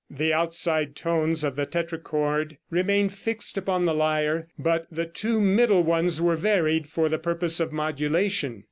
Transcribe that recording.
The outside tones of the tetrachord remained fixed upon the lyre, but the two middle ones were varied for the purpose of modulation.